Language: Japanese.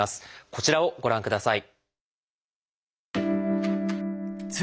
こちらをご覧ください。